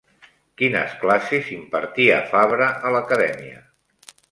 Quines classes impartia Fabra a l'acadèmia?